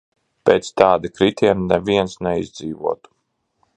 Pēc tāda kritiena neviens neizdzīvotu.